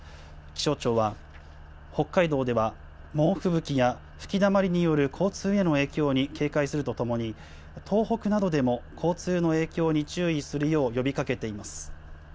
気象庁は、北海道では猛吹雪や吹きだまりによる交通への影響に警戒するとともに、東北などでも、交通の影響に注意するよう呼びかけています。